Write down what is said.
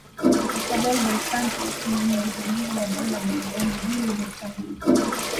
Isabel dos Santos mwenye utajiri wa dola bilioni mbili nukta mbili